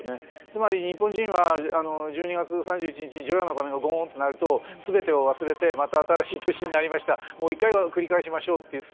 つまり日本人は１２月３１日に除夜の鐘がゴーンと鳴ると全てを忘れてまた新しい年になりましたもう一回繰り返しましょうっていう。